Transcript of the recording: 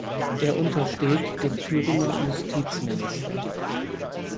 Er untersteht dem Thüringer Justizminister.